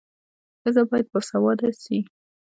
ښځه باید باسواده سي.